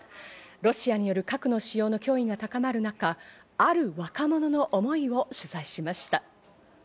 ロシアによる核の使用の脅威が高まる中、ある若者の思いを取材しました。